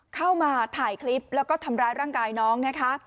เข้ามาถ่ายคลิปแล้วก็ทำร้ายร่างกายน้องนะคะ